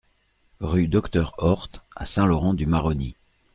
Rue Docteur Horth à Saint-Laurent-du-Maroni